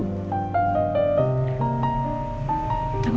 aku tunggu di luar ya